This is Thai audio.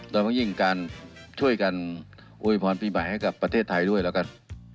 โดยมักยิ่งการช่วยกันอุปสรรพีใหม่ให้กับประเทศไทยด้วยละกัน